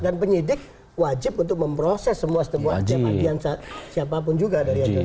dan penyidik wajib untuk memproses semua setempatian siapapun juga